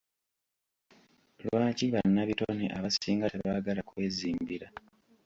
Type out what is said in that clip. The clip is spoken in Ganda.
Lwaki bannabitone abasinga tebaagala kwezimbira?